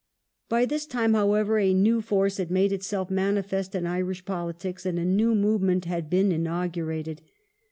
Charles By this time, however, a new force had made itself manifest in Stewart Irish politics, and a new " movement " had been inaugurated.